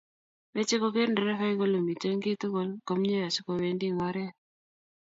meche kogeer nderefainik kole miten kiy tuguk komnyei asigowendi oret